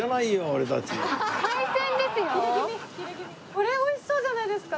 これ美味しそうじゃないですか？